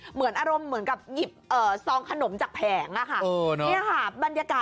เหมือนอารมณ์เหมือนกับหยิบซองขนมจากแผงอะค่ะ